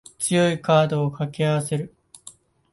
強いカードを掛け合わせる